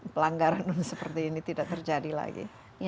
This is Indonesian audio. pelanggaran seperti ini tidak terjadi lagi